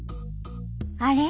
あれ？